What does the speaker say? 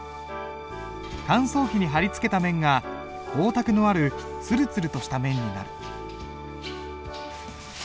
乾燥機に張り付けた面が光沢のあるつるつるとした面になる。